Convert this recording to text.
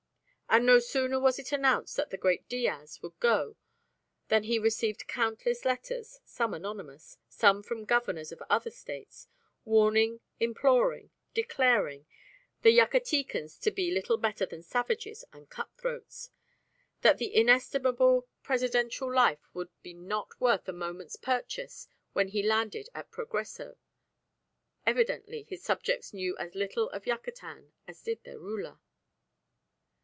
And no sooner was it announced that the great Diaz would go than he received countless letters, some anonymous, some from Governors of other States, warning, imploring, declaring the Yucatecans to be little better than savages and cut throats, that the inestimable presidential life would be not worth a moment's purchase when he landed at Progreso. Evidently his subjects knew as little of Yucatan as did their ruler.